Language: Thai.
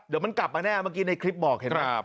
เดี๋ยวมันกลับมาแน่เมื่อกี้ในคลิปบอกเห็นไหม